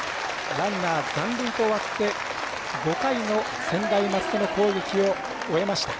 ランナー、残塁と終わって５回の専大松戸の攻撃を終えました。